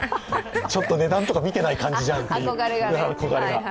ちょっと値段とか見てない感じじゃんっていう、憧れが。